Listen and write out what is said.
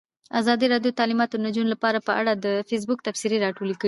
ازادي راډیو د تعلیمات د نجونو لپاره په اړه د فیسبوک تبصرې راټولې کړي.